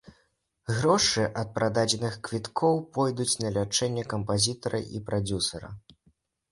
Грошы ад прададзеных квіткоў пойдуць на лячэнне кампазітара і прадзюсара.